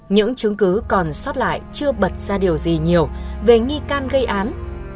những chứng cứ còn sót lại chưa bật ra điều gì nhiều về nghi can gây án